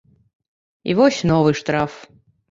І вось новы штраф.